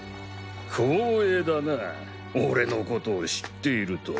光栄だな俺のことを知っているとは。